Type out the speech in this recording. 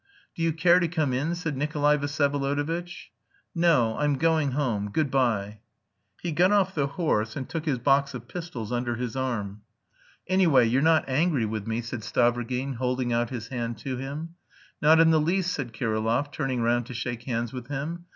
"Do you care to come in?" said Nikolay Vsyevolodovitch. "No; I'm going home. Good bye." He got off the horse and took his box of pistols under his arm. "Anyway, you're not angry with me?" said Stavrogin, holding out his hand to him. "Not in the least," said Kirillov, turning round to shake hands with him.